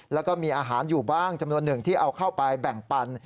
แล้วก็มีอาหารอยู่บ้างจำนวนหนึ่งที่เอาเข้าไปแบ่งปัน